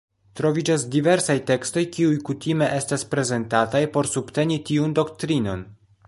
Troviĝas diversaj tekstoj kiuj kutime estas prezentataj por subteni tiun doktrinon.